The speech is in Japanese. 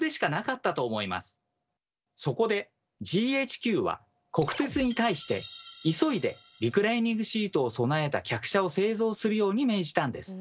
そこでＧＨＱは国鉄に対して急いでリクライニングシートを備えた客車を製造するように命じたんです。